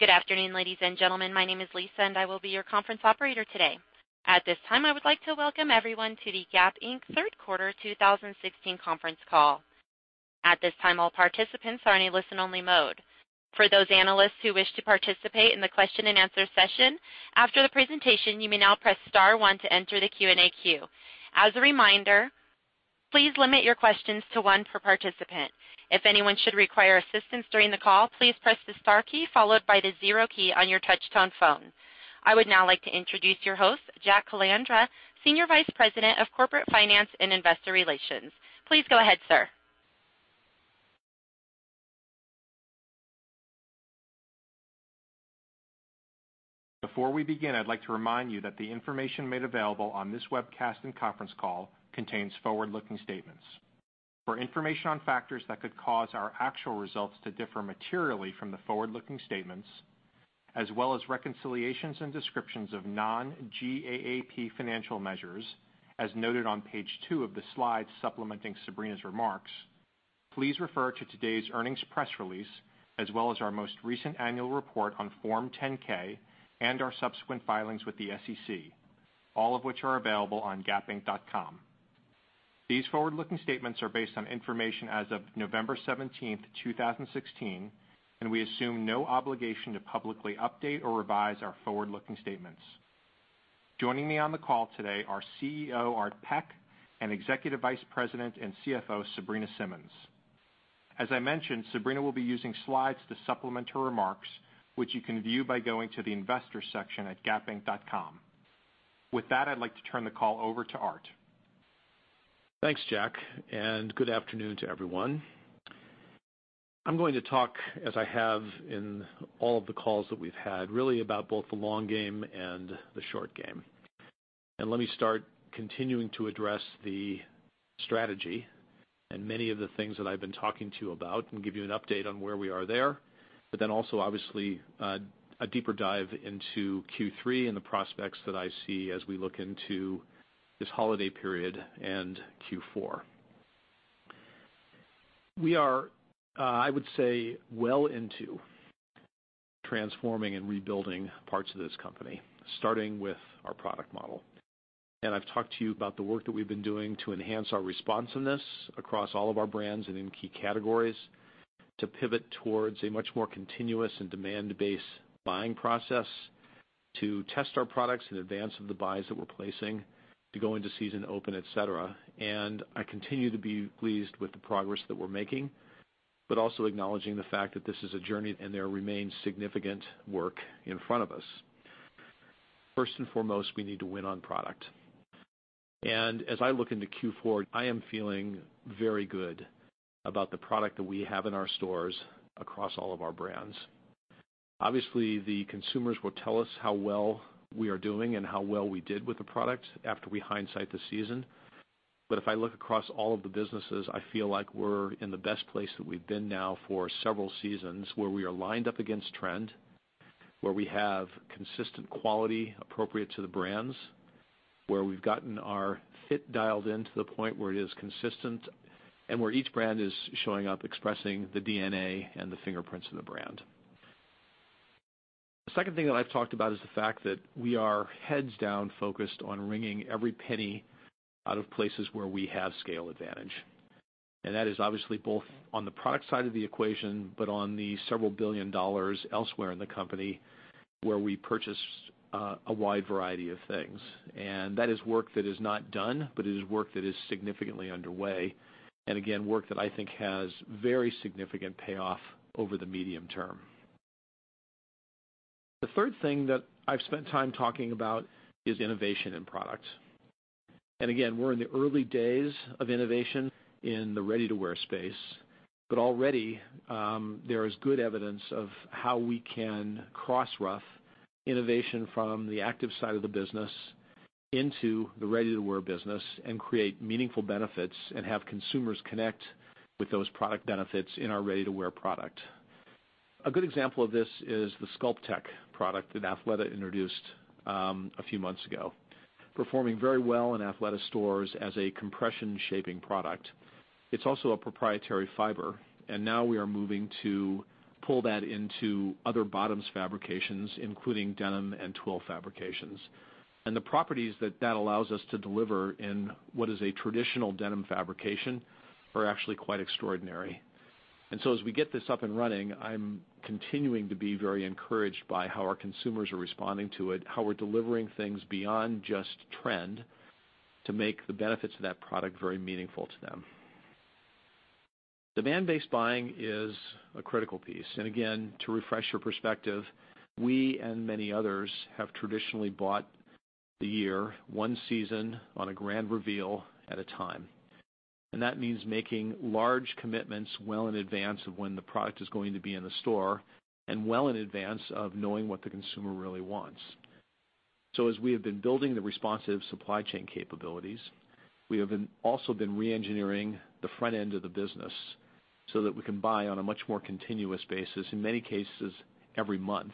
Good afternoon, ladies and gentlemen. My name is Lisa, and I will be your conference operator today. At this time, I would like to welcome everyone to the Gap Inc. Third Quarter 2016 conference call. At this time, all participants are in a listen-only mode. For those analysts who wish to participate in the question-and-answer session, after the presentation, you may now press star one to enter the Q&A queue. As a reminder, please limit your questions to one per participant. If anyone should require assistance during the call, please press the star key followed by the zero key on your touch-tone phone. I would now like to introduce your host, Jack Calandra, Senior Vice President of Corporate Finance and Investor Relations. Please go ahead, sir. Before we begin, I'd like to remind you that the information made available on this webcast and conference call contains forward-looking statements. For information on factors that could cause our actual results to differ materially from the forward-looking statements, as well as reconciliations and descriptions of non-GAAP financial measures, as noted on page two of the slides supplementing Sabrina's remarks, please refer to today's earnings press release, as well as our most recent annual report on Form 10-K and our subsequent filings with the SEC, all of which are available on gapinc.com. These forward-looking statements are based on information as of November 17th, 2016, and we assume no obligation to publicly update or revise our forward-looking statements. Joining me on the call today are CEO Art Peck and Executive Vice President and CFO Sabrina Simmons. As I mentioned, Sabrina will be using slides to supplement her remarks, which you can view by going to the investors section at gapinc.com. With that, I'd like to turn the call over to Art. Thanks, Jack, and good afternoon to everyone. I'm going to talk, as I have in all of the calls that we've had, really about both the long game and the short game. Let me start continuing to address the strategy and many of the things that I've been talking to you about and give you an update on where we are there, but then also obviously, a deeper dive into Q3 and the prospects that I see as we look into this holiday period and Q4. We are, I would say, well into transforming and rebuilding parts of this company, starting with our product model. I've talked to you about the work that we've been doing to enhance our responsiveness across all of our brands and in key categories to pivot towards a much more continuous and demand-based buying process to test our products in advance of the buys that we're placing to go into season open, et cetera. I continue to be pleased with the progress that we're making, but also acknowledging the fact that this is a journey and there remains significant work in front of us. First and foremost, we need to win on product. As I look into Q4, I am feeling very good about the product that we have in our stores across all of our brands. Obviously, the consumers will tell us how well we are doing and how well we did with the product after we hindsight the season. If I look across all of the businesses, I feel like we're in the best place that we've been now for several seasons, where we are lined up against trend, where we have consistent quality appropriate to the brands, where we've gotten our fit dialed in to the point where it is consistent, and where each brand is showing up expressing the DNA and the fingerprints of the brand. The second thing that I've talked about is the fact that we are heads down focused on wringing every penny out of places where we have scale advantage. That is obviously both on the product side of the equation, but on the several billion dollars elsewhere in the company where we purchase a wide variety of things. That is work that is not done, but it is work that is significantly underway, again, work that I think has very significant payoff over the medium term. The third thing that I've spent time talking about is innovation in product. Again, we're in the early days of innovation in the ready-to-wear space. Already, there is good evidence of how we can cross-ref innovation from the active side of the business into the ready-to-wear business and create meaningful benefits and have consumers connect with those product benefits in our ready-to-wear product. A good example of this is the Sculptek product that Athleta introduced a few months ago, performing very well in Athleta stores as a compression shaping product. It's also a proprietary fiber, now we are moving to pull that into other bottoms fabrications, including denim and twill fabrications. The properties that that allows us to deliver in what is a traditional denim fabrication are actually quite extraordinary. As we get this up and running, I'm continuing to be very encouraged by how our consumers are responding to it, how we're delivering things beyond just trend to make the benefits of that product very meaningful to them. Demand-based buying is a critical piece. Again, to refresh your perspective, we and many others have traditionally bought the year one season on a grand reveal at a time. That means making large commitments well in advance of when the product is going to be in the store and well in advance of knowing what the consumer really wants. As we have been building the responsive supply chain capabilities, we have also been re-engineering the front end of the business so that we can buy on a much more continuous basis, in many cases, every month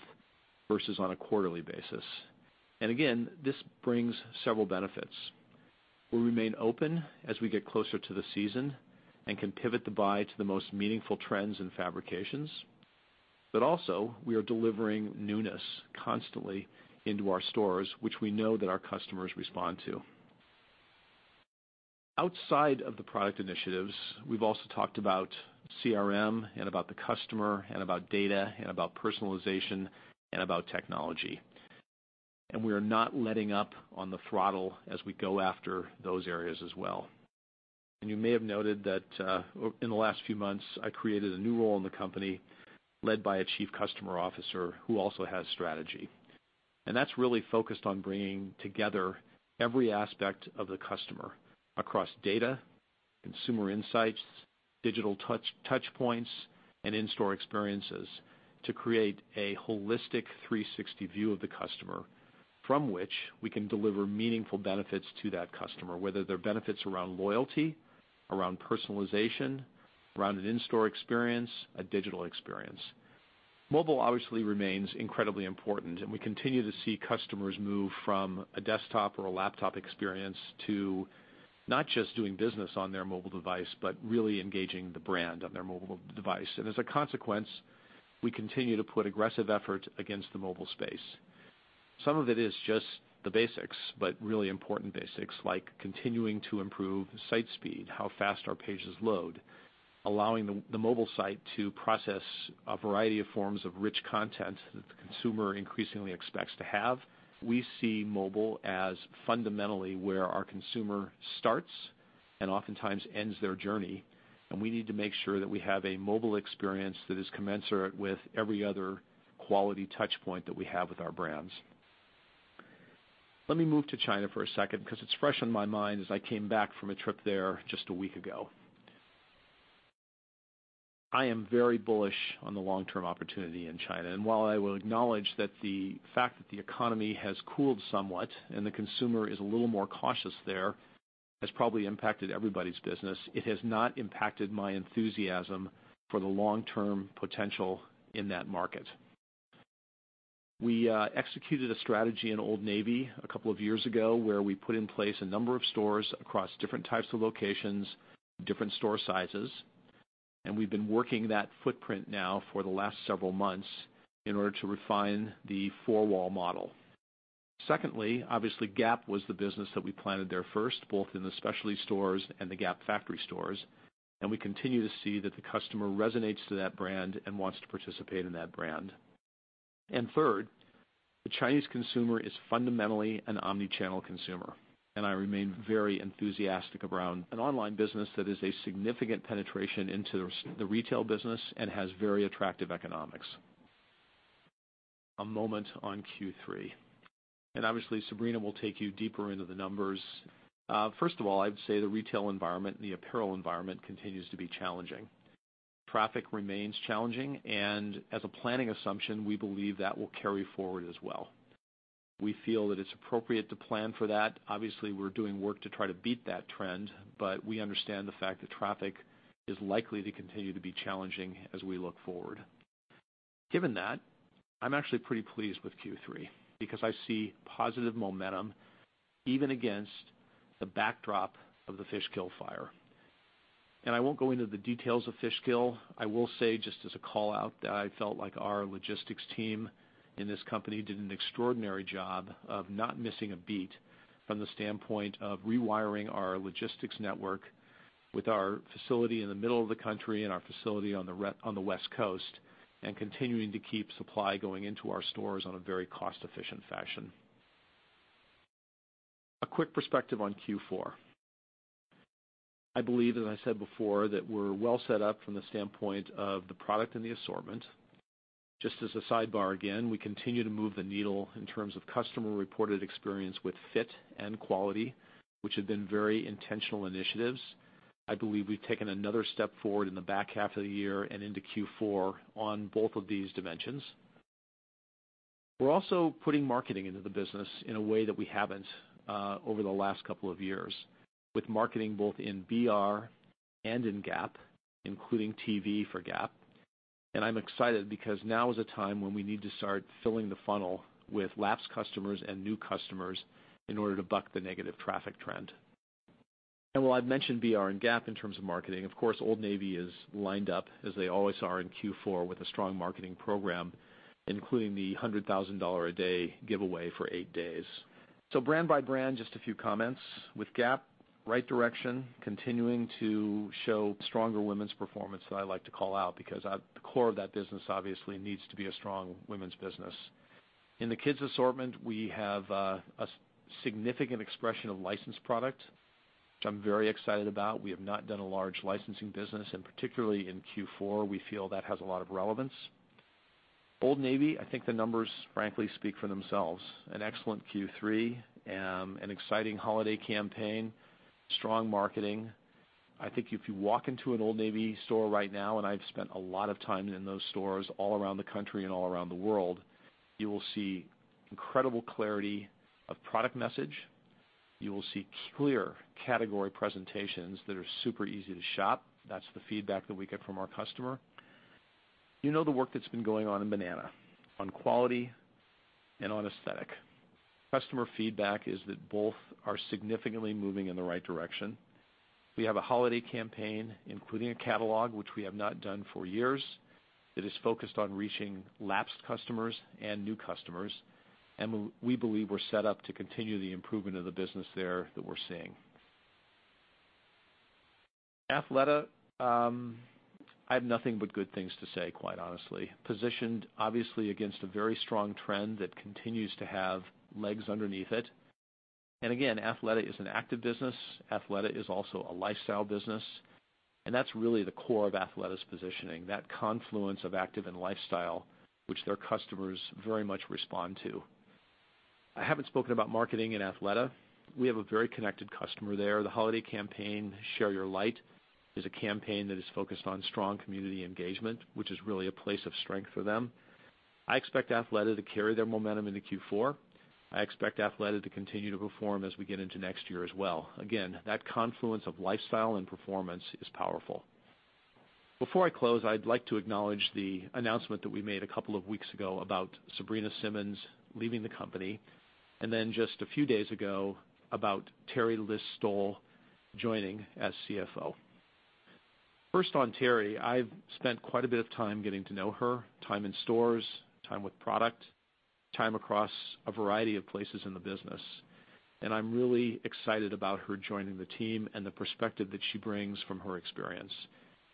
versus on a quarterly basis. Again, this brings several benefits. We'll remain open as we get closer to the season and can pivot the buy to the most meaningful trends in fabrications. Also, we are delivering newness constantly into our stores, which we know that our customers respond to. Outside of the product initiatives, we've also talked about CRM, and about the customer, and about data, and about personalization, and about technology. We are not letting up on the throttle as we go after those areas as well. You may have noted that in the last few months, I created a new role in the company led by a chief customer officer who also has strategy. That's really focused on bringing together every aspect of the customer across data, consumer insights, digital touchpoints, and in-store experiences to create a holistic 360 view of the customer from which we can deliver meaningful benefits to that customer, whether they're benefits around loyalty, around personalization, around an in-store experience, a digital experience. Mobile obviously remains incredibly important, and we continue to see customers move from a desktop or a laptop experience to not just doing business on their mobile device, but really engaging the brand on their mobile device. As a consequence, we continue to put aggressive effort against the mobile space. Some of it is just the basics, but really important basics like continuing to improve site speed, how fast our pages load, allowing the mobile site to process a variety of forms of rich content that the consumer increasingly expects to have. We see mobile as fundamentally where our consumer starts and oftentimes ends their journey, and we need to make sure that we have a mobile experience that is commensurate with every other quality touchpoint that we have with our brands. Let me move to China for a second because it's fresh on my mind as I came back from a trip there just a week ago. I am very bullish on the long-term opportunity in China. While I will acknowledge that the fact that the economy has cooled somewhat and the consumer is a little more cautious there, has probably impacted everybody's business. It has not impacted my enthusiasm for the long-term potential in that market. We executed a strategy in Old Navy a couple of years ago where we put in place a number of stores across different types of locations, different store sizes, and we've been working that footprint now for the last several months in order to refine the four-wall model. Secondly, obviously Gap was the business that we planted there first, both in the specialty stores and the Gap factory stores, and we continue to see that the customer resonates to that brand and wants to participate in that brand. Third, the Chinese consumer is fundamentally an omni-channel consumer, and I remain very enthusiastic around an online business that is a significant penetration into the retail business and has very attractive economics. A moment on Q3. Obviously, Sabrina will take you deeper into the numbers. I'd say the retail environment and the apparel environment continues to be challenging. Traffic remains challenging, and as a planning assumption, we believe that will carry forward as well. We feel that it's appropriate to plan for that. Obviously, we're doing work to try to beat that trend, but we understand the fact that traffic is likely to continue to be challenging as we look forward. Given that, I'm actually pretty pleased with Q3 because I see positive momentum even against the backdrop of the Fishkill fire. I won't go into the details of Fishkill. I will say, just as a call-out, that I felt like our logistics team in this company did an extraordinary job of not missing a beat from the standpoint of rewiring our logistics network with our facility in the middle of the country and our facility on the West Coast, and continuing to keep supply going into our stores on a very cost-efficient fashion. A quick perspective on Q4. I believe, as I said before, that we're well set up from the standpoint of the product and the assortment. Just as a sidebar again, we continue to move the needle in terms of customer-reported experience with fit and quality, which have been very intentional initiatives. I believe we've taken another step forward in the back half of the year and into Q4 on both of these dimensions. We're also putting marketing into the business in a way that we haven't over the last couple of years, with marketing both in BR and in Gap, including TV for Gap. I'm excited because now is a time when we need to start filling the funnel with lapsed customers and new customers in order to buck the negative traffic trend. While I've mentioned BR and Gap in terms of marketing, of course, Old Navy is lined up as they always are in Q4 with a strong marketing program, including the $100,000-a-day giveaway for eight days. Brand by brand, just a few comments. With Gap, right direction, continuing to show stronger women's performance that I like to call out because the core of that business obviously needs to be a strong women's business. In the kids' assortment, we have a significant expression of licensed product, which I'm very excited about. We have not done a large licensing business, and particularly in Q4, we feel that has a lot of relevance. Old Navy, I think the numbers frankly speak for themselves. An excellent Q3, an exciting holiday campaign, strong marketing. I think if you walk into an Old Navy store right now, and I've spent a lot of time in those stores all around the country and all around the world, you will see incredible clarity of product message. You will see clear category presentations that are super easy to shop. That's the feedback that we get from our customer. You know the work that's been going on in Banana, on quality and on aesthetic. Customer feedback is that both are significantly moving in the right direction. We have a holiday campaign, including a catalog, which we have not done for years, that is focused on reaching lapsed customers and new customers. We believe we're set up to continue the improvement of the business there that we're seeing. Athleta, I have nothing but good things to say, quite honestly. Positioned, obviously, against a very strong trend that continues to have legs underneath it. Again, Athleta is an active business. Athleta is also a lifestyle business, and that's really the core of Athleta's positioning, that confluence of active and lifestyle, which their customers very much respond to. I haven't spoken about marketing in Athleta. We have a very connected customer there. The holiday campaign, Share Your Light, is a campaign that is focused on strong community engagement, which is really a place of strength for them. I expect Athleta to carry their momentum into Q4. I expect Athleta to continue to perform as we get into next year as well. Again, that confluence of lifestyle and performance is powerful. Before I close, I'd like to acknowledge the announcement that we made a couple of weeks ago about Sabrina Simmons leaving the company, then just a few days ago about Teri List-Stoll joining as CFO. First on Teri, I've spent quite a bit of time getting to know her, time in stores, time with product, time across a variety of places in the business. I'm really excited about her joining the team and the perspective that she brings from her experience.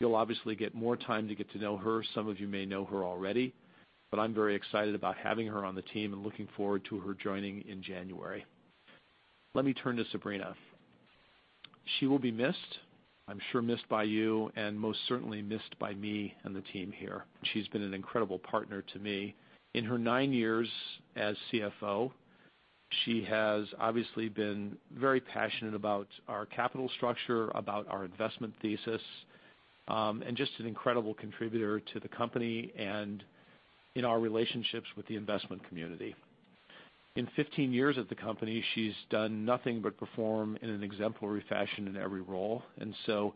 You'll obviously get more time to get to know her. Some of you may know her already, but I'm very excited about having her on the team and looking forward to her joining in January. Let me turn to Sabrina. She will be missed. I'm sure missed by you, and most certainly missed by me and the team here. She's been an incredible partner to me. In her nine years as CFO, she has obviously been very passionate about our capital structure, about our investment thesis, and just an incredible contributor to the company and in our relationships with the investment community. In 15 years at the company, she's done nothing but perform in an exemplary fashion in every role. So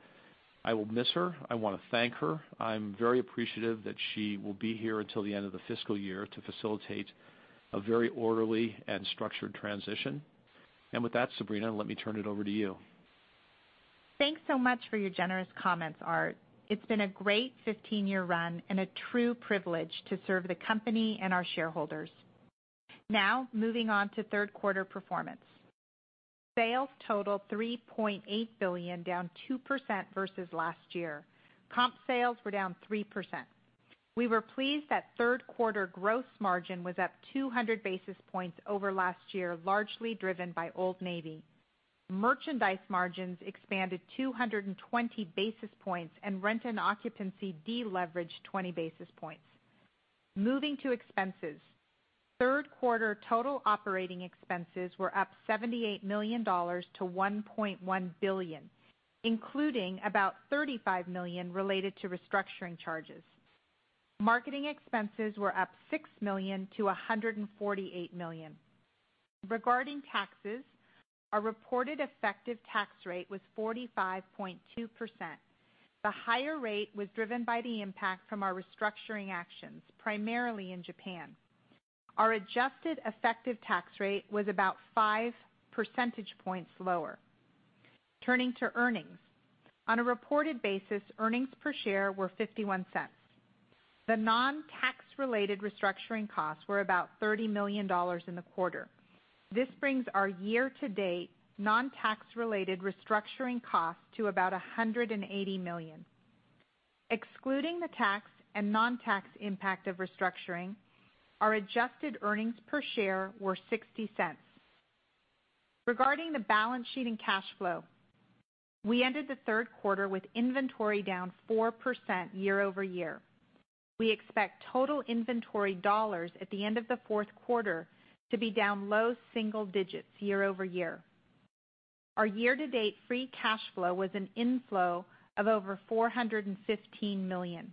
I will miss her. I want to thank her. I'm very appreciative that she will be here until the end of the fiscal year to facilitate a very orderly and structured transition. With that, Sabrina, let me turn it over to you. Thanks so much for your generous comments, Art. It's been a great 15-year run and a true privilege to serve the company and our shareholders. Moving on to third quarter performance. Sales totaled $3.8 billion, down 2% versus last year. Comp sales were down 3%. We were pleased that third quarter gross margin was up 200 basis points over last year, largely driven by Old Navy. Merchandise margins expanded 220 basis points and rent and occupancy deleveraged 20 basis points. Moving to expenses. Third quarter total operating expenses were up $78 million to $1.1 billion, including about $35 million related to restructuring charges. Marketing expenses were up $6 million to $148 million. Regarding taxes, our reported effective tax rate was 45.2%. The higher rate was driven by the impact from our restructuring actions, primarily in Japan. Our adjusted effective tax rate was about five percentage points lower. Turning to earnings. On a reported basis, EPS were $0.51. The non-tax related restructuring costs were about $30 million in the quarter. This brings our year-to-date non-tax related restructuring cost to about $180 million. Excluding the tax and non-tax impact of restructuring, our adjusted EPS were $0.60. Regarding the balance sheet and cash flow, we ended the third quarter with inventory down 4% year-over-year. We expect total inventory dollars at the end of the fourth quarter to be down low single digits year-over-year. Our year-to-date free cash flow was an inflow of over $415 million.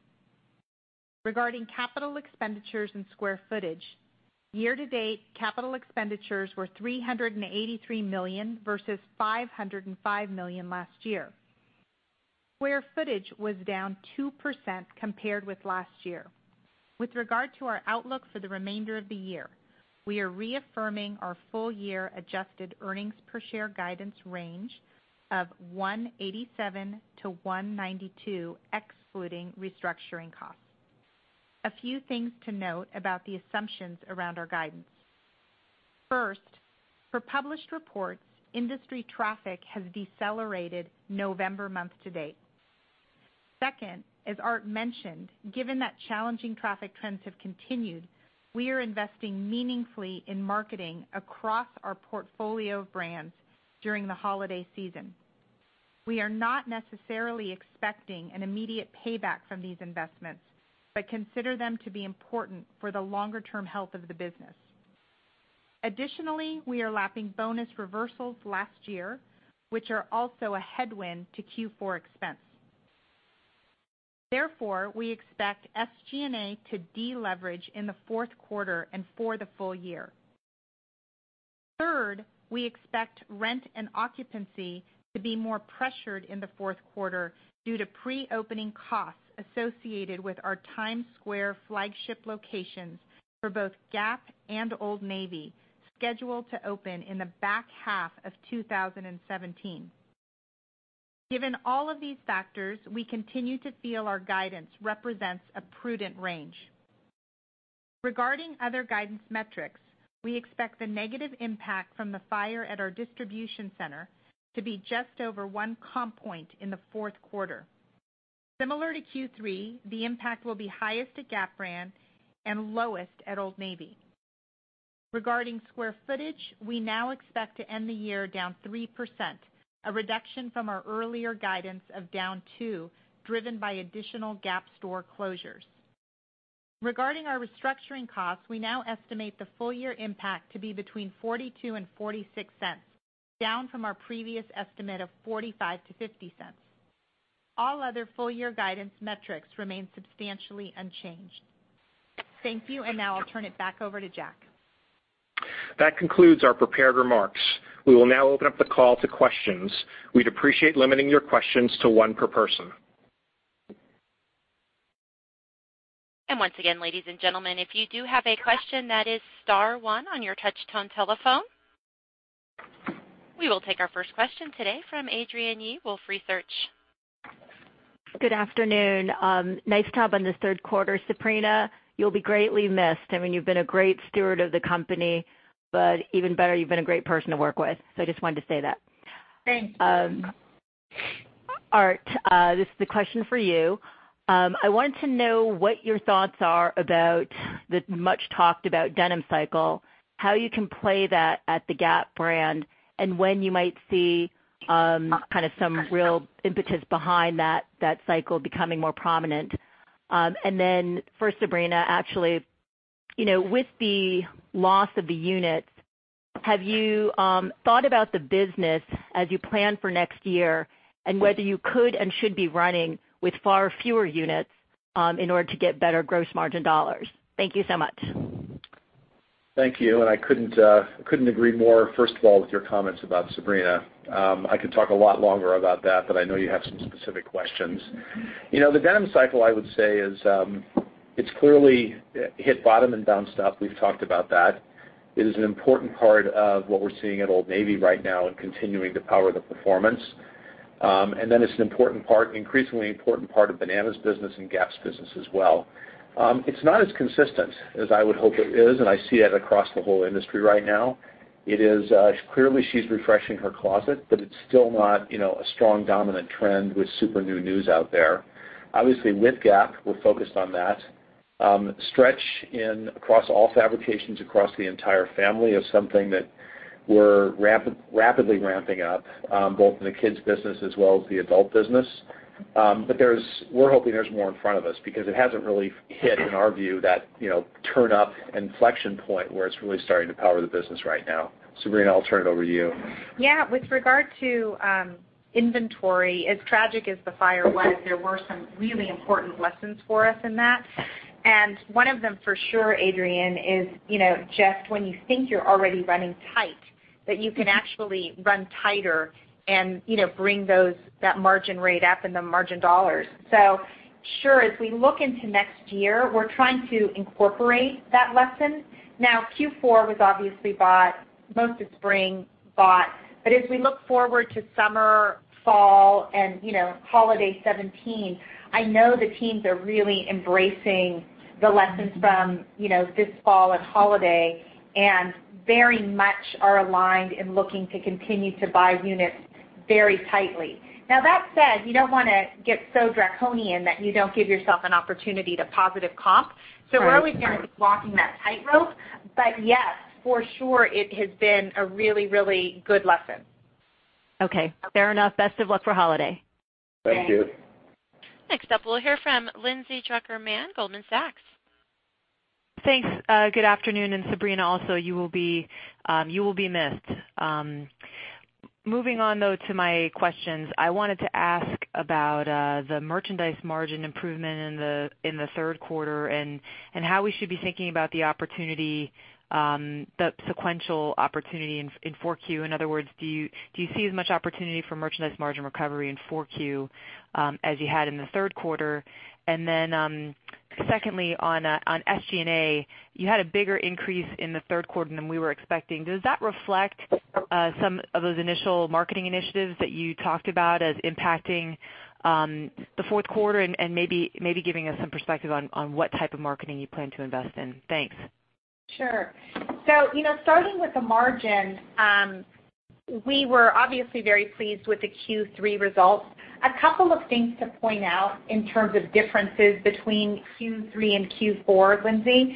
Regarding capital expenditures and square footage, year-to-date, capital expenditures were $383 million versus $505 million last year. Square footage was down 2% compared with last year. With regard to our outlook for the remainder of the year, we are reaffirming our full year adjusted EPS guidance range of $1.87-$1.92, excluding restructuring costs. A few things to note about the assumptions around our guidance. First, for published reports, industry traffic has decelerated November month-to-date. Second, as Art mentioned, given that challenging traffic trends have continued, we are investing meaningfully in marketing across our portfolio of brands during the holiday season. We are not necessarily expecting an immediate payback from these investments, but consider them to be important for the longer-term health of the business. Additionally, we are lapping bonus reversals last year, which are also a headwind to Q4 expense. Therefore, we expect SG&A to deleverage in the fourth quarter and for the full year. Third, we expect rent and occupancy to be more pressured in the fourth quarter due to pre-opening costs associated with our Times Square flagship locations for both Gap and Old Navy, scheduled to open in the back half of 2017. Given all of these factors, we continue to feel our guidance represents a prudent range. Regarding other guidance metrics, we expect the negative impact from the fire at our distribution center to be just over one comp point in the fourth quarter. Similar to Q3, the impact will be highest at Gap brand and lowest at Old Navy. Regarding square footage, we now expect to end the year down 3%, a reduction from our earlier guidance of down 2%, driven by additional Gap store closures. Regarding our restructuring costs, we now estimate the full-year impact to be between $0.42 and $0.46, down from our previous estimate of $0.45-$0.50. All other full-year guidance metrics remain substantially unchanged. Thank you. Now I'll turn it back over to Jack. That concludes our prepared remarks. We will now open up the call to questions. We appreciate limiting your questions to one per person. Once again ladies and gentlemen, if you do have a question, that is star one on your touchtone telephone. We will take our first question today from Adrienne Yih, Wolfe Research. Good afternoon. Nice job on this third quarter, Sabrina. You will be greatly missed. I mean, you have been a great steward of the company, even better, you have been a great person to work with. I just wanted to say that. Thank you. Art, this is a question for you. I wanted to know what your thoughts are about the much-talked-about denim cycle, how you can play that at the Gap brand, and when you might see some real impetus behind that cycle becoming more prominent. For Sabrina, actually, with the loss of the units, have you thought about the business as you plan for next year, and whether you could and should be running with far fewer units, in order to get better gross margin dollars? Thank you so much. Thank you, I couldn't agree more, first of all, with your comments about Sabrina. I could talk a lot longer about that, I know you have some specific questions. The denim cycle, I would say is, it's clearly hit bottom and bounced up. We've talked about that. It is an important part of what we're seeing at Old Navy right now and continuing to power the performance. It's an increasingly important part of Banana's business and Gap's business as well. It's not as consistent as I would hope it is, I see it across the whole industry right now. It is clearly she's refreshing her closet, it's still not a strong dominant trend with super new news out there. Obviously, with Gap, we're focused on that. Stretch across all fabrications across the entire family is something that we're rapidly ramping up, both in the kids business as well as the adult business. We're hoping there's more in front of us because it hasn't really hit in our view that turn up inflection point where it's really starting to power the business right now. Sabrina, I'll turn it over to you. Yeah. With regard to inventory, as tragic as the fire was, there were some really important lessons for us in that. One of them for sure, Adrienne, is just when you think you're already running tight, that you can actually run tighter and bring that margin rate up and the margin dollars. Sure, as we look into next year, we're trying to incorporate that lesson. Now, Q4 was obviously bought, most of spring bought. As we look forward to summer, fall, and holiday 2017, I know the teams are really embracing the lessons from this fall and holiday, very much are aligned in looking to continue to buy units very tightly. Now, that said, you don't want to get so draconian that you don't give yourself an opportunity to positive comp. Right. We're always going to be walking that tightrope, but yes, for sure, it has been a really good lesson. Okay. Fair enough. Best of luck for holiday. Thanks. Thank you. Next up, we'll hear from Lindsay Drucker Mann, Goldman Sachs. Thanks. Good afternoon, and Sabrina also, you will be missed. Moving on, though, to my questions. I wanted to ask about the merchandise margin improvement in the third quarter and how we should be thinking about the sequential opportunity in 4Q. In other words, do you see as much opportunity for merchandise margin recovery in 4Q as you had in the third quarter? Secondly, on SG&A, you had a bigger increase in the third quarter than we were expecting. Does that reflect some of those initial marketing initiatives that you talked about as impacting the fourth quarter and maybe giving us some perspective on what type of marketing you plan to invest in? Thanks. Sure. Starting with the margin, we were obviously very pleased with the Q3 results. A couple of things to point out in terms of differences between Q3 and Q4, Lindsay.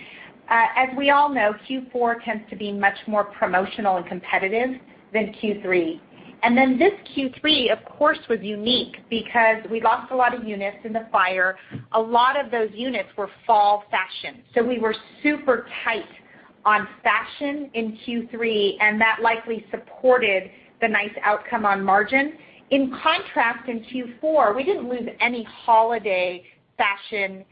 As we all know, Q4 tends to be much more promotional and competitive than Q3. This Q3, of course, was unique because we lost a lot of units in the fire. A lot of those units were fall fashion. We were super tight on fashion in Q3, and that likely supported the nice outcome on margin. In contrast, in Q4, we didn't lose any holiday fashion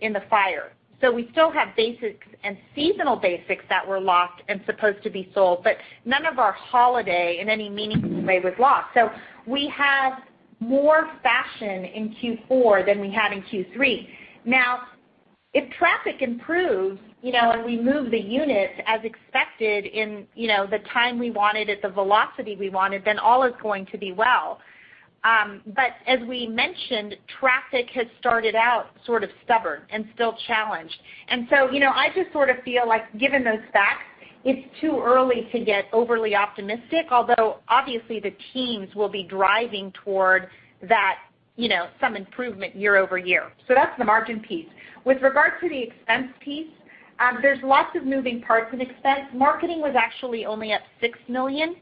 in the fire. We still have basics and seasonal basics that were lost and supposed to be sold, but none of our holiday in any meaningful way was lost. We have More fashion in Q4 than we had in Q3. Now, if traffic improves, and we move the units as expected in the time we wanted at the velocity we wanted, then all is going to be well. As we mentioned, traffic has started out sort of stubborn and still challenged. I just sort of feel like given those facts, it's too early to get overly optimistic. Although obviously the teams will be driving toward some improvement year-over-year. That's the margin piece. With regard to the expense piece, there's lots of moving parts in expense. Marketing was actually only up $6 million.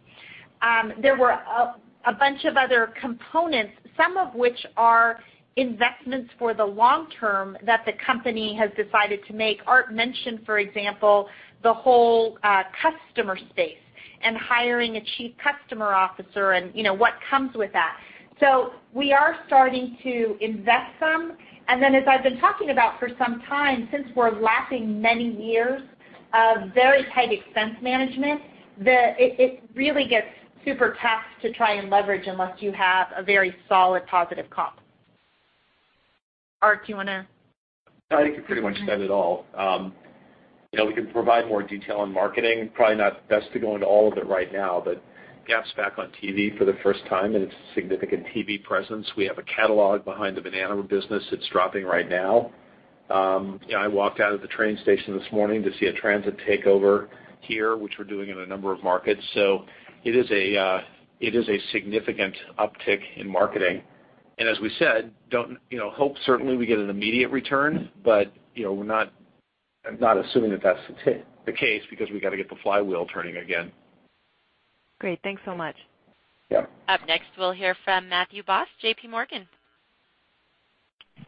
There were a bunch of other components, some of which are investments for the long term that the company has decided to make. Art mentioned, for example, the whole customer space and hiring a Chief Customer Officer and what comes with that. We are starting to invest some, as I've been talking about for some time, since we're lapping many years of very tight expense management, it really gets super tough to try and leverage unless you have a very solid positive comp. Art, do you want to? No, I think you pretty much said it all. We can provide more detail on marketing. Probably not best to go into all of it right now, Gap's back on TV for the first time, and it's a significant TV presence. We have a catalog behind the Banana business that's dropping right now. I walked out of the train station this morning to see a transit takeover here, which we're doing in a number of markets. It is a significant uptick in marketing. As we said, hope certainly we get an immediate return, I'm not assuming that that's the case because we got to get the flywheel turning again. Great. Thanks so much. Yeah. Up next, we'll hear from Matthew Boss, JPMorgan.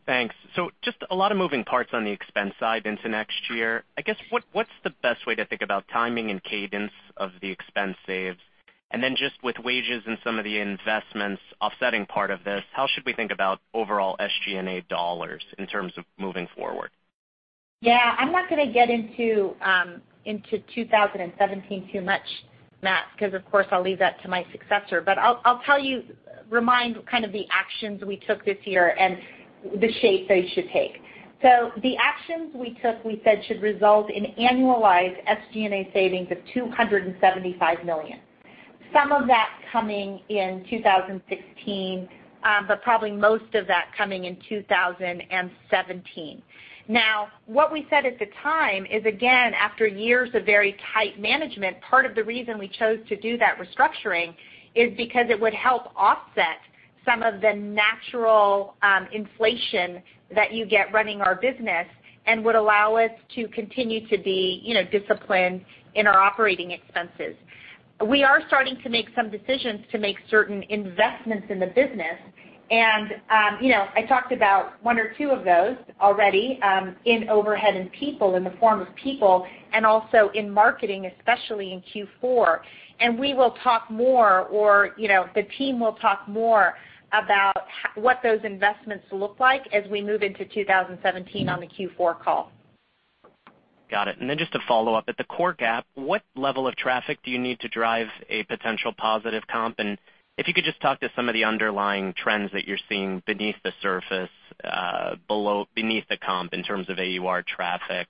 Thanks. Just a lot of moving parts on the expense side into next year. I guess, what's the best way to think about timing and cadence of the expense saves? Just with wages and some of the investments offsetting part of this, how should we think about overall SG&A dollars in terms of moving forward? I'm not going to get into 2017 too much, Matt, because of course, I'll leave that to my successor. I'll remind kind of the actions we took this year and the shape they should take. The actions we took, we said, should result in annualized SG&A savings of $275 million. Some of that coming in 2016, but probably most of that coming in 2017. What we said at the time is, again, after years of very tight management, part of the reason we chose to do that restructuring is because it would help offset some of the natural inflation that you get running our business and would allow us to continue to be disciplined in our operating expenses. We are starting to make some decisions to make certain investments in the business, I talked about one or two of those already, in overhead and people, in the form of people, and also in marketing, especially in Q4. We will talk more or the team will talk more about what those investments look like as we move into 2017 on the Q4 call. Got it. Just a follow-up. At the core Gap, what level of traffic do you need to drive a potential positive comp? If you could just talk to some of the underlying trends that you're seeing beneath the surface, beneath the comp in terms of AUR traffic,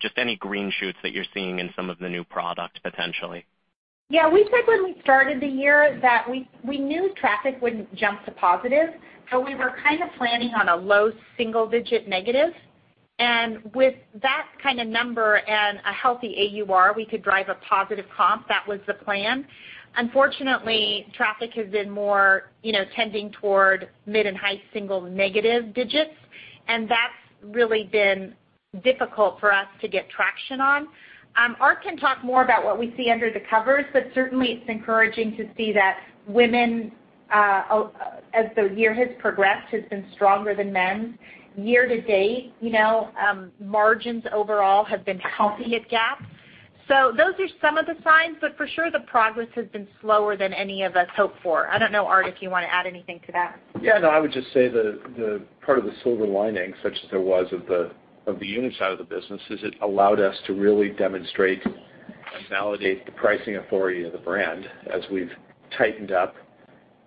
just any green shoots that you're seeing in some of the new product potentially. We said when we started the year that we knew traffic wouldn't jump to positive, we were kind of planning on a low single-digit negative. With that kind of number and a healthy AUR, we could drive a positive comp. That was the plan. Unfortunately, traffic has been more tending toward mid and high single negative digits, and that's really been difficult for us to get traction on. Art can talk more about what we see under the covers, but certainly it's encouraging to see that women, as the year has progressed, has been stronger than men. Year to date, margins overall have been healthy at Gap. Those are some of the signs, but for sure the progress has been slower than any of us hoped for. I don't know, Art, if you want to add anything to that. Yeah. No, I would just say the part of the silver lining, such as there was of the unit side of the business, is it allowed us to really demonstrate and validate the pricing authority of the brand as we've tightened up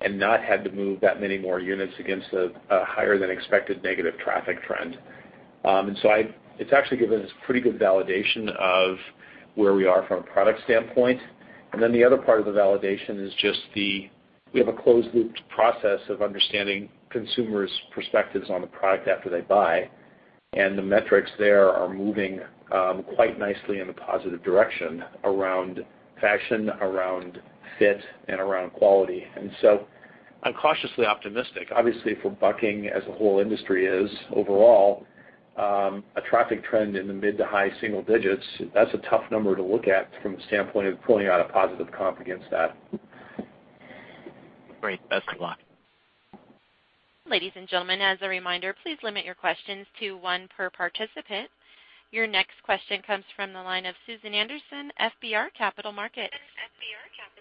and not had to move that many more units against a higher than expected negative traffic trend. It's actually given us pretty good validation of where we are from a product standpoint. The other part of the validation is just the, we have a closed-loop process of understanding consumers' perspectives on the product after they buy. The metrics there are moving quite nicely in the positive direction around fashion, around fit, and around quality. I'm cautiously optimistic. Obviously, if we're bucking, as the whole industry is overall, a traffic trend in the mid to high single digits, that's a tough number to look at from the standpoint of pulling out a positive comp against that. Great. That's a lot. Ladies and gentlemen, as a reminder, please limit your questions to one per participant. Your next question comes from the line of Susan Anderson, FBR Capital Markets. Susan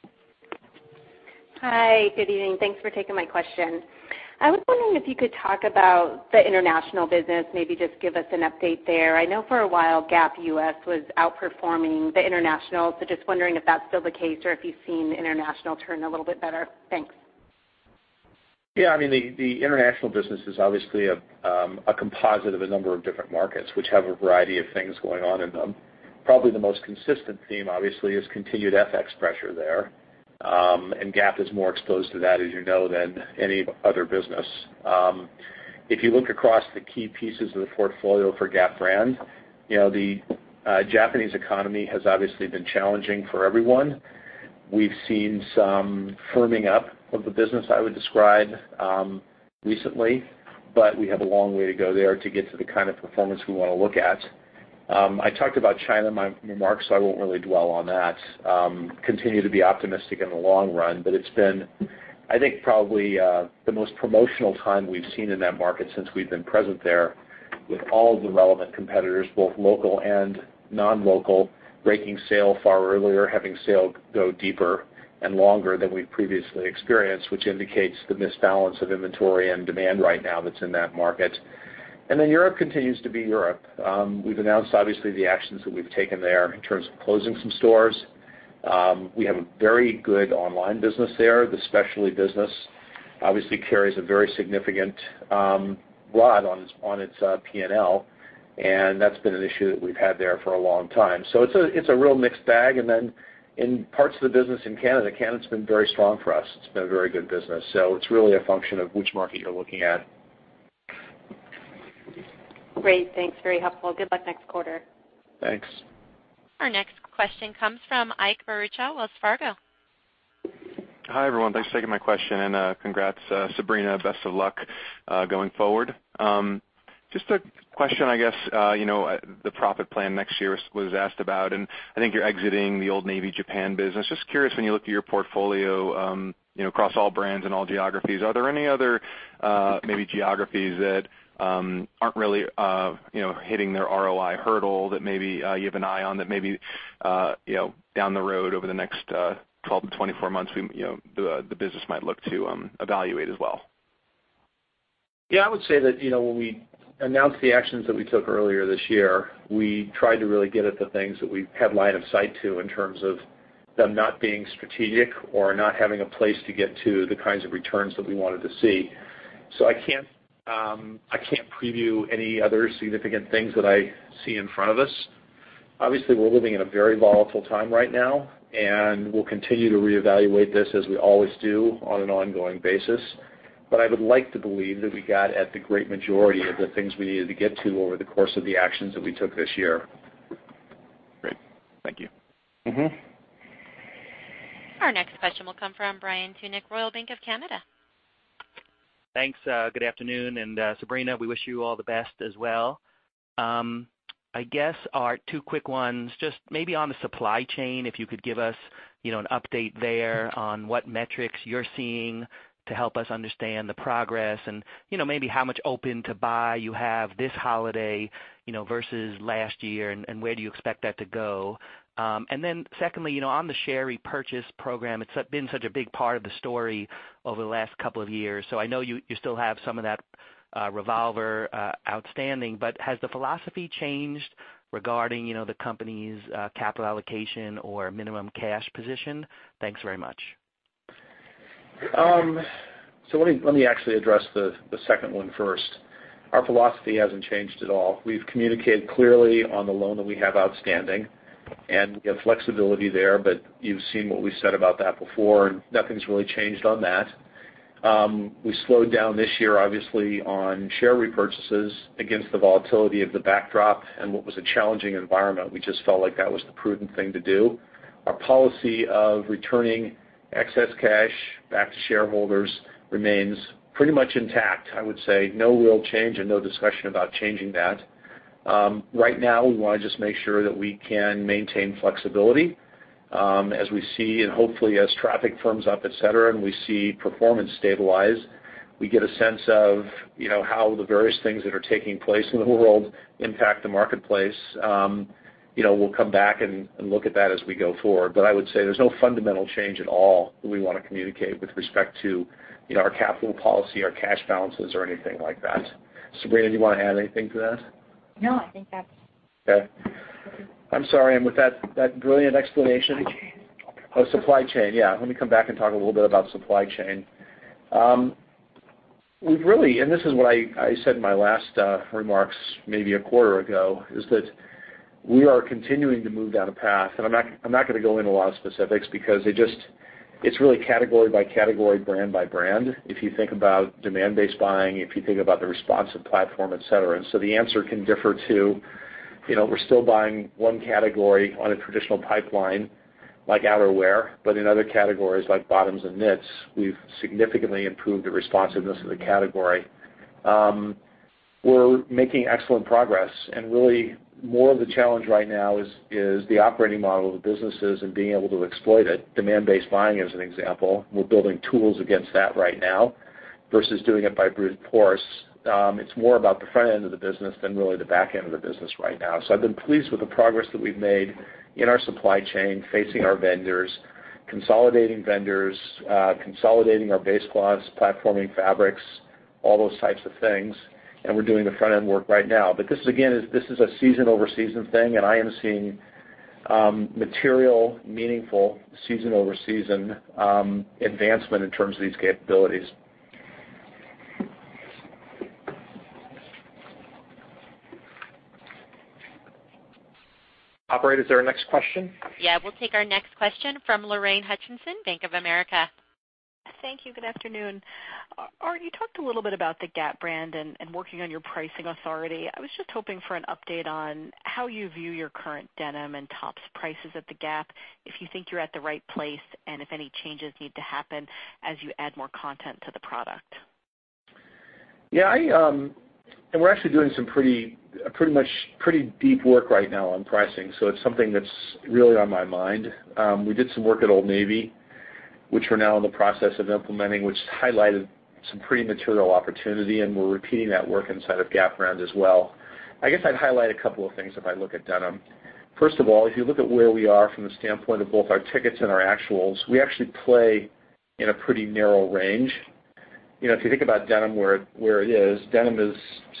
Anderson, FBR Capital. Hi. Good evening. Thanks for taking my question. I was wondering if you could talk about the international business, maybe just give us an update there. I know for a while, Gap U.S. was outperforming the international, just wondering if that's still the case or if you've seen international turn a little bit better. Thanks. Yeah. The international business is obviously a composite of a number of different markets, which have a variety of things going on in them. Probably the most consistent theme, obviously, is continued FX pressure there. Gap is more exposed to that, as you know, than any other business. If you look across the key pieces of the portfolio for Gap brand, the Japanese economy has obviously been challenging for everyone. We've seen some firming up of the business, I would describe, recently, but we have a long way to go there to get to the kind of performance we want to look at. I talked about China in my remarks, I won't really dwell on that. Continue to be optimistic in the long run, but it's been, I think, probably the most promotional time we've seen in that market since we've been present there with all the relevant competitors, both local and non-local, breaking sale far earlier, having sale go deeper and longer than we've previously experienced, which indicates the misbalance of inventory and demand right now that's in that market. Europe continues to be Europe. We've announced, obviously, the actions that we've taken there in terms of closing some stores. We have a very good online business there. The specialty business obviously carries a very significant rod on its P&L, and that's been an issue that we've had there for a long time. It's a real mixed bag. In parts of the business in Canada's been very strong for us. It's been a very good business. It's really a function of which market you're looking at. Great. Thanks. Very helpful. Good luck next quarter. Thanks. Our next question comes from Ike Boruchow, Wells Fargo. Hi, everyone. Thanks for taking my question. Congrats, Sabrina. Best of luck going forward. Just a question, I guess. The profit plan next year was asked about. I think you're exiting the Old Navy Japan business. Just curious, when you look through your portfolio across all brands and all geographies, are there any other maybe geographies that aren't really hitting their ROI hurdle that maybe you have an eye on that maybe down the road over the next 12 to 24 months, the business might look to evaluate as well? I would say that when we announced the actions that we took earlier this year, we tried to really get at the things that we had line of sight to in terms of them not being strategic or not having a place to get to the kinds of returns that we wanted to see. I can't preview any other significant things that I see in front of us. Obviously, we're living in a very volatile time right now, we'll continue to reevaluate this as we always do on an ongoing basis. I would like to believe that we got at the great majority of the things we needed to get to over the course of the actions that we took this year. Great. Thank you. Our next question will come from Brian Tunick, Royal Bank of Canada. Thanks. Good afternoon. Sabrina, we wish you all the best as well. I guess our two quick ones, just maybe on the supply chain, if you could give us an update there on what metrics you're seeing to help us understand the progress and maybe how much open to buy you have this holiday versus last year, where do you expect that to go. Secondly, on the share repurchase program, it's been such a big part of the story over the last couple of years. I know you still have some of that revolver outstanding, has the philosophy changed regarding the company's capital allocation or minimum cash position? Thanks very much. Let me actually address the second one first. Our philosophy hasn't changed at all. We've communicated clearly on the loan that we have outstanding, and we have flexibility there, but you've seen what we said about that before, and nothing's really changed on that. We slowed down this year, obviously, on share repurchases against the volatility of the backdrop and what was a challenging environment. We just felt like that was the prudent thing to do. Our policy of returning excess cash back to shareholders remains pretty much intact, I would say. No real change and no discussion about changing that. Right now, we want to just make sure that we can maintain flexibility. As we see and hopefully as traffic firms up, et cetera, and we see performance stabilize, we get a sense of how the various things that are taking place in the world impact the marketplace. We'll come back and look at that as we go forward. I would say there's no fundamental change at all that we want to communicate with respect to our capital policy, our cash balances, or anything like that. Sabrina, do you want to add anything to that? No, I think that's Okay. I'm sorry. With that brilliant explanation. Supply chain. Oh, supply chain. Yeah. Let me come back and talk a little bit about supply chain. We've really, and this is what I said in my last remarks maybe a quarter ago, is that we are continuing to move down a path. I'm not going to go into a lot of specifics because it's really category by category, brand by brand. If you think about demand-based buying, if you think about the responsive platform, et cetera. The answer can differ, too. We're still buying one category on a traditional pipeline like outerwear, but in other categories like bottoms and knits, we've significantly improved the responsiveness of the category. We're making excellent progress, and really more of the challenge right now is the operating model of the businesses and being able to exploit it. Demand-based buying, as an example. We're building tools against that right now versus doing it by brute force. It's more about the front end of the business than really the back end of the business right now. I've been pleased with the progress that we've made in our supply chain, facing our vendors, consolidating vendors, consolidating our base cloths, platforming fabrics, all those types of things, and we're doing the front end work right now. This, again, this is a season over season thing, and I am seeing Material meaningful season over season advancement in terms of these capabilities. Operator, is there a next question? Yeah, we'll take our next question from Lorraine Hutchinson, Bank of America. Thank you. Good afternoon. Art, you talked a little bit about the Gap brand and working on your pricing authority. I was just hoping for an update on how you view your current denim and tops prices at the Gap, if you think you're at the right place, and if any changes need to happen as you add more content to the product. Yeah. We're actually doing some pretty deep work right now on pricing, so it's something that's really on my mind. We did some work at Old Navy, which we're now in the process of implementing, which highlighted some pretty material opportunity, and we're repeating that work inside of Gap brand as well. I guess I'd highlight a couple of things if I look at denim. First of all, if you look at where we are from the standpoint of both our tickets and our actuals, we actually play in a pretty narrow range. If you think about denim, where it is, denim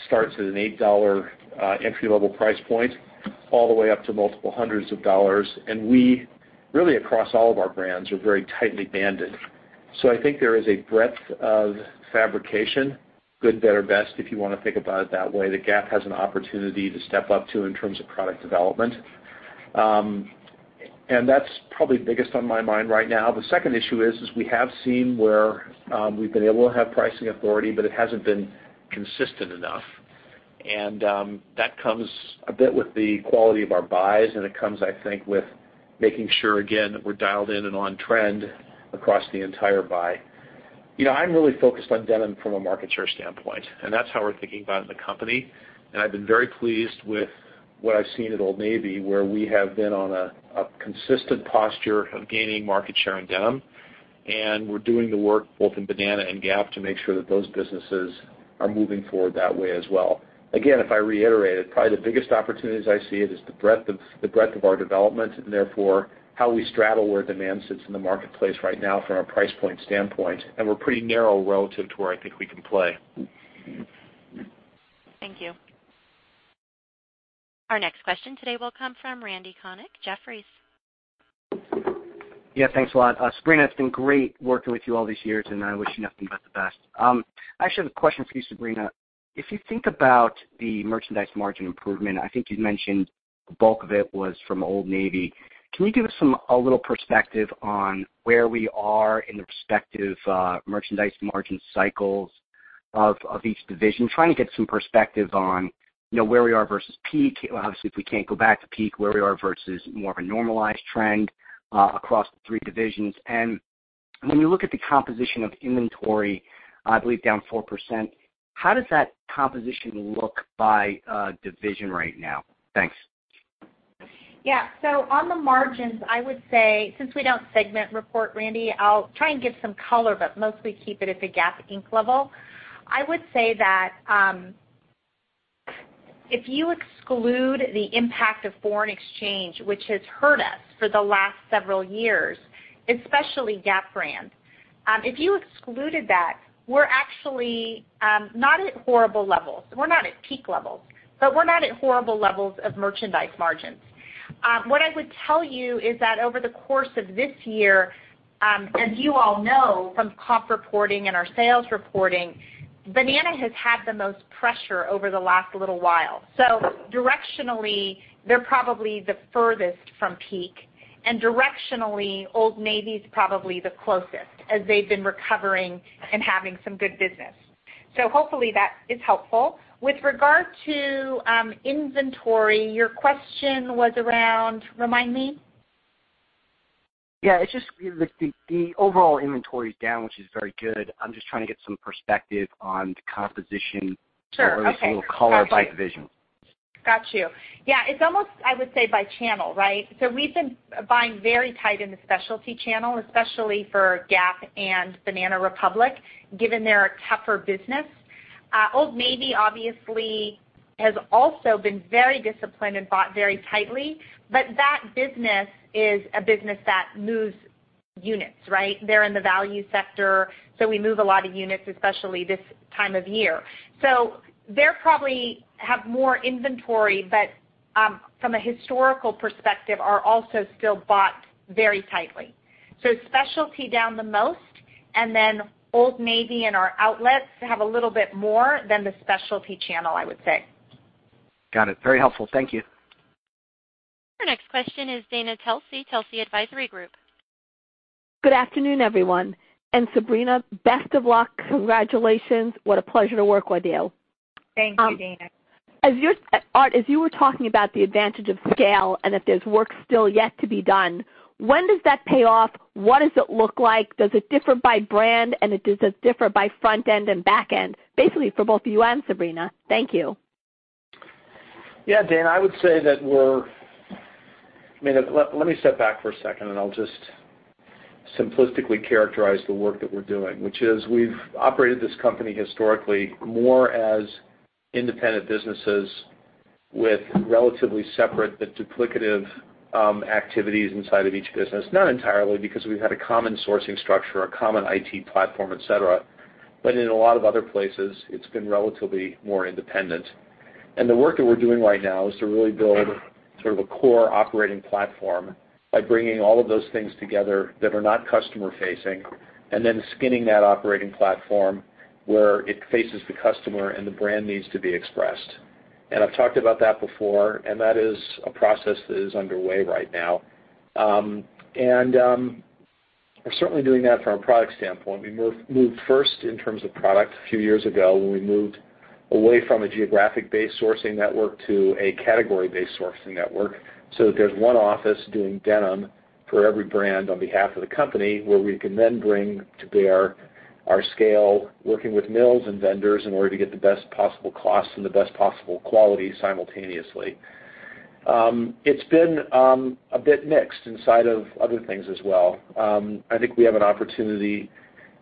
starts at an $8 entry level price point all the way up to multiple hundreds of dollars. We, really across all of our brands, are very tightly banded. I think there is a breadth of fabrication, good, better, best, if you want to think about it that way, that Gap has an opportunity to step up to in terms of product development. That's probably biggest on my mind right now. The second issue is we have seen where we've been able to have pricing authority, but it hasn't been consistent enough. That comes a bit with the quality of our buys, it comes, I think, with making sure, again, that we're dialed in and on trend across the entire buy. I'm really focused on denim from a market share standpoint, that's how we're thinking about it in the company. I've been very pleased with what I've seen at Old Navy, where we have been on a consistent posture of gaining market share in denim, we're doing the work both in Banana and Gap to make sure that those businesses are moving forward that way as well. Again, if I reiterated, probably the biggest opportunities I see it is the breadth of our development, therefore, how we straddle where demand sits in the marketplace right now from a price point standpoint, we're pretty narrow relative to where I think we can play. Thank you. Our next question today will come from Randy Konik, Jefferies. Yeah, thanks a lot. Sabrina, it has been great working with you all these years, and I wish you nothing but the best. I actually have a question for you, Sabrina. If you think about the merchandise margin improvement, I think you had mentioned the bulk of it was from Old Navy. Can you give us a little perspective on where we are in the respective merchandise margin cycles of each division? Trying to get some perspective on where we are versus peak. Obviously, if we cannot go back to peak, where we are versus more of a normalized trend across the three divisions. And when you look at the composition of inventory, I believe down 4%, how does that composition look by division right now? Thanks. Yeah. On the margins, I would say, since we do not segment report, Randy, I will try and give some color, but mostly keep it at the Gap Inc. level. I would say that, if you exclude the impact of foreign exchange, which has hurt us for the last several years, especially Gap brand. If you excluded that, we are actually not at horrible levels. We are not at peak levels, but we are not at horrible levels of merchandise margins. What I would tell you is that over the course of this year, as you all know from comp reporting and our sales reporting, Banana has had the most pressure over the last little while. Directionally, they are probably the furthest from peak, and directionally, Old Navy is probably the closest as they have been recovering and having some good business. Hopefully that is helpful. With regard to inventory, your question was around, remind me? Yeah, it's just the overall inventory is down, which is very good. I'm just trying to get some perspective on the composition. Sure. Okay. A little color by division. Got you. Yeah, it's almost, I would say, by channel, right? We've been buying very tight in the specialty channel, especially for Gap and Banana Republic, given they're a tougher business. Old Navy obviously has also been very disciplined and bought very tightly, that business is a business that moves units, right? They're in the value sector, we move a lot of units, especially this time of year. They probably have more inventory, from a historical perspective, are also still bought very tightly. Specialty down the most, and then Old Navy and our outlets have a little bit more than the specialty channel, I would say. Got it. Very helpful. Thank you. Our next question is Dana Telsey, Telsey Advisory Group. Good afternoon, everyone. Sabrina, best of luck. Congratulations. What a pleasure to work with you. Thank you, Dana. Art, as you were talking about the advantage of scale and that there's work still yet to be done, when does that pay off? What does it look like? Does it differ by brand? Does it differ by front end and back end, basically for both you and Sabrina? Thank you. Yeah, Dana, I would say that. Let me step back for a second, I'll just simplistically characterize the work that we're doing, which is we've operated this company historically more as independent businesses with relatively separate but duplicative activities inside of each business. Not entirely, because we've had a common sourcing structure, a common IT platform, et cetera. In a lot of other places, it's been relatively more independent. The work that we're doing right now is to really build sort of a core operating platform by bringing all of those things together that are not customer facing, then skinning that operating platform where it faces the customer and the brand needs to be expressed. I've talked about that before, that is a process that is underway right now. We're certainly doing that from a product standpoint. We moved first in terms of product a few years ago when we moved away from a geographic-based sourcing network to a category-based sourcing network, so that there's one office doing denim for every brand on behalf of the company, where we can then bring to bear our scale, working with mills and vendors in order to get the best possible cost and the best possible quality simultaneously. It's been a bit mixed inside of other things as well. I think we have an opportunity,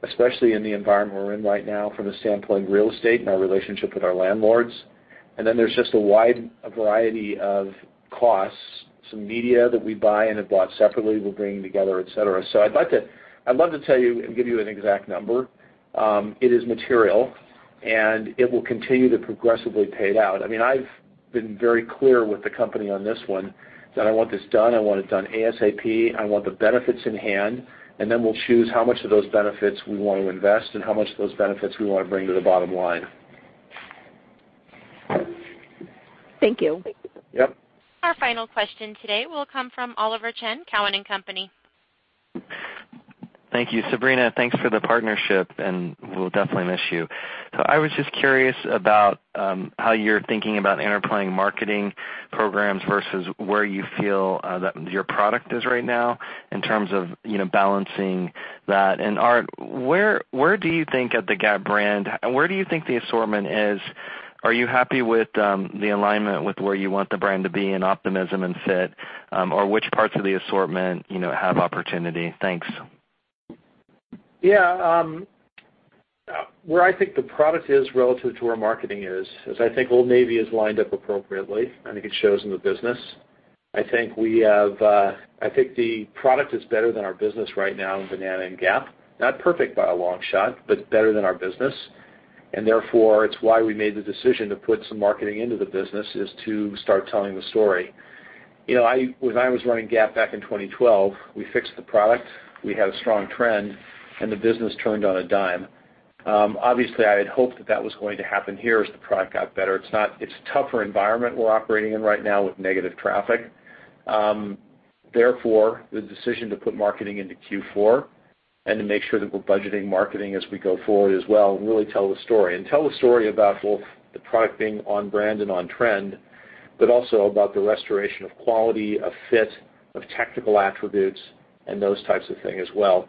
especially in the environment we're in right now, from the standpoint of real estate and our relationship with our landlords. Then there's just a wide variety of costs, some media that we buy and have bought separately, we're bringing together, et cetera. I'd love to tell you and give you an exact number. It is material, and it will continue to progressively pay it out. I've been very clear with the company on this one that I want this done, I want it done ASAP, I want the benefits in hand, then we'll choose how much of those benefits we want to invest and how much of those benefits we want to bring to the bottom line. Thank you. Yep. Our final question today will come from Oliver Chen, Cowen and Company. Thank you, Sabrina. Thanks for the partnership, and we'll definitely miss you. I was just curious about how you're thinking about interplaying marketing programs versus where you feel that your product is right now in terms of balancing that. Art, where do you think at the Gap brand, where do you think the assortment is? Are you happy with the alignment with where you want the brand to be in optimism and fit? Which parts of the assortment have opportunity? Thanks. Yeah. Where I think the product is relative to where marketing is, I think Old Navy is lined up appropriately. I think it shows in the business. I think the product is better than our business right now in Banana and Gap. Not perfect by a long shot, but better than our business. Therefore, it's why we made the decision to put some marketing into the business, is to start telling the story. When I was running Gap back in 2012, we fixed the product, we had a strong trend, and the business turned on a dime. Obviously, I had hoped that that was going to happen here as the product got better. It's tougher environment we're operating in right now with negative traffic. Therefore, the decision to put marketing into Q4 and to make sure that we're budgeting marketing as we go forward as well, and really tell the story. Tell the story about, well, the product being on brand and on trend, but also about the restoration of quality, of fit, of technical attributes, and those types of things as well.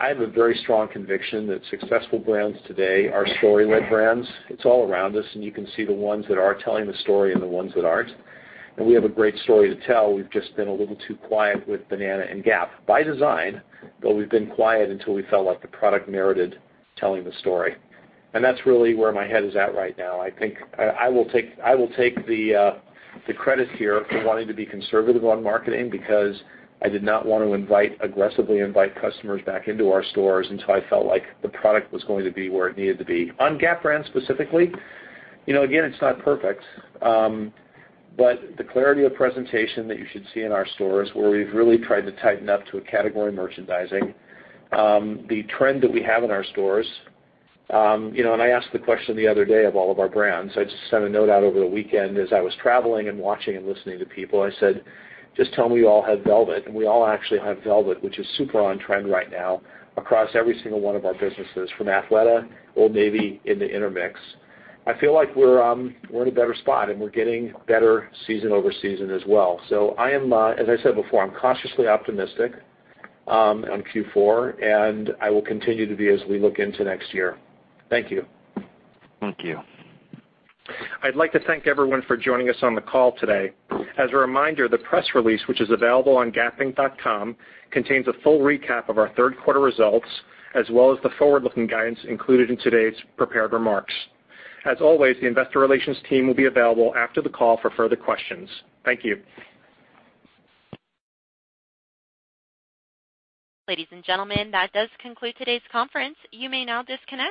I have a very strong conviction that successful brands today are story-led brands. It's all around us, and you can see the ones that are telling the story and the ones that aren't. We have a great story to tell. We've just been a little too quiet with Banana and Gap. By design, though we've been quiet until we felt like the product merited telling the story. That's really where my head is at right now. I think I will take the credit here for wanting to be conservative on marketing because I did not want to aggressively invite customers back into our stores until I felt like the product was going to be where it needed to be. On Gap brand specifically, again, it's not perfect. The clarity of presentation that you should see in our stores, where we've really tried to tighten up to a category merchandising. The trend that we have in our stores, I asked the question the other day of all of our brands. I just sent a note out over the weekend as I was traveling and watching and listening to people, I said, "Just tell me we all have velvet." We all actually have velvet, which is super on-trend right now across every single one of our businesses, from Athleta, Old Navy, in the Intermix. I feel like we're in a better spot, we're getting better season over season as well. I am, as I said before, I'm cautiously optimistic on Q4, I will continue to be as we look into next year. Thank you. Thank you. I'd like to thank everyone for joining us on the call today. As a reminder, the press release, which is available on gapinc.com, contains a full recap of our third quarter results, as well as the forward-looking guidance included in today's prepared remarks. As always, the investor relations team will be available after the call for further questions. Thank you. Ladies and gentlemen, that does conclude today's conference. You may now disconnect.